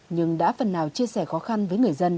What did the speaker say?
nhưng đã phần nào chia sẻ khó khăn với người dân